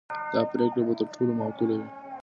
دا پرېکړه به تر ټولو معقوله وي.